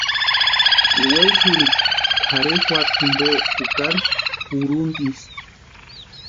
Wexurhikwa tʼarhe juata jimpo jukari kurhuntisti.